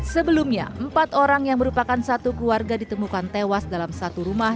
sebelumnya empat orang yang merupakan satu keluarga ditemukan tewas dalam satu rumah